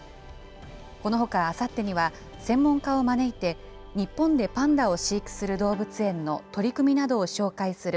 このほかあさってには、専門家を招いて、日本でパンダを飼育する動物園の取り組みなどを紹介する